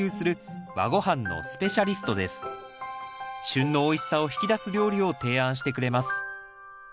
旬のおいしさを引き出す料理を提案してくれます